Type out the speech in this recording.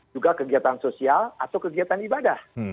juga kegiatan sosial atau kegiatan ibadah